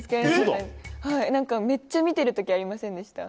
なんかめっちゃ見てるときありませんでした？